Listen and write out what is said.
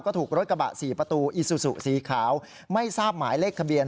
ก็ถูกรถกระบะ๔ประตูอีซูซูสีขาวไม่ทราบหมายเลขทะเบียน